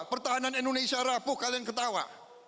pertahanan indonesia rapuh kalian ketawa